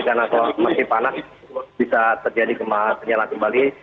karena kalau masih panas bisa terjadi penyalaan kembali